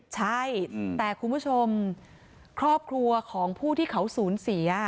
ใช่แต่คุณผู้ชมครอบครัวของผู้ที่เขาสูญเสีย